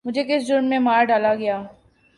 مجھے کس جرم میں مار ڈالا گیا؟